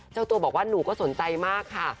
เจ้าตัวบอกว่าหนูก็สนใจมากค่ะ